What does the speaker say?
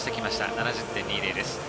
７０．２０です。